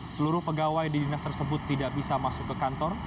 seluruh pegawai di dinas tersebut tidak bisa masuk ke kantor